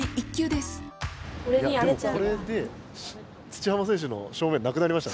でもこれで土濱選手の正面なくなりました。